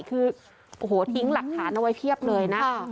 คือโอ้โหทิ้งหลักฐานเอาไว้เพียบเลยนะ